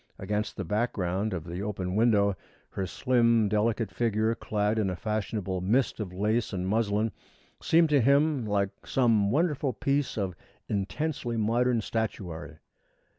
Against the background of the open window, her slim, delicate figure, clad in a fashionable mist of lace and muslin, seemed to him like some wonderful piece of intensely modern statuary.